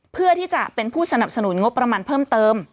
เพื่อที่จะเป็นผู้สนับสนุนงบประมาณเพิ่มเติม